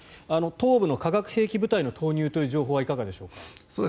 東部の化学兵器部隊の投入という情報はいかがでしょうか。